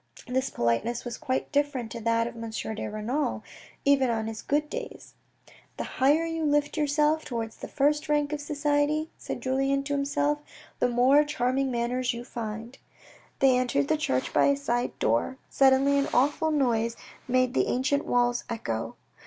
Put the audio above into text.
This politeness was quite different to that of M. de Renal, even on his good days. " The higher you lift yourself towards the first rank of society," said Julien to himself, "the more charming manners you find." They entered the church by a side door; suddenly an awful noise made the ancient walls echo.